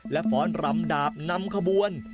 และฟ้อนรำดาบนำขบวน